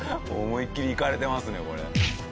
思いっきりいかれてますねこれ。